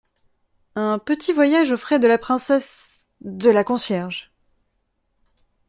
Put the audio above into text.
Un petit voyage aux frais de la princess… de la concierge.